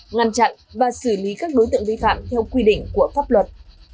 ngăn chặn và xử lý các đối tượng vi phạm theo quy định của pháp luật